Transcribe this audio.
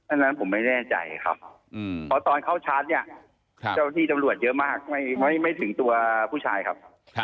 อันนั้นผมไม่แน่ใจครับเพราะตอนเข้าชาร์จเนี่ยเจ้าที่ตำรวจเยอะมากไม่ถึงตัวผู้ชายครับ